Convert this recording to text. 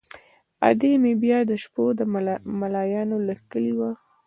ادې مې بیا د شپولې د ملایانو له کلي وه.